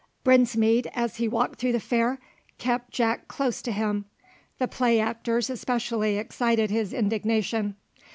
Brinsmead, as he walked through the fair, kept Jack close to him. The play actors especially excited his indignation.